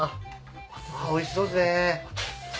おいしそうですね。